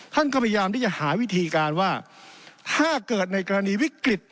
ท่านก็พยายามที่จะหาวิธีการว่าถ้าเกิดในกรณีวิกฤต